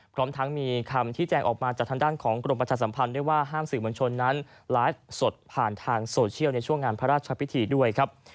พร้อมทั้งมีคำที่แจ้งออกมาจากทางด้านของกรมประชาสัมพันธ์ด้วยว่าห้ามสื่อมวลชนนั้นไลฟ์สดผ่านทางโซเชียลในช่วงงานพระราชพิธีด้วยครับ